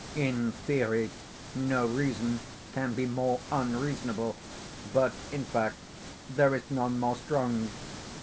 In theory, no reason can be more unreasonable, but, in fact, there is none more strong.